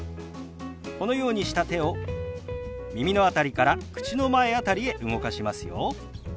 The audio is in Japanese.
このようにした手を耳の辺りから口の前辺りへ動かしますよ。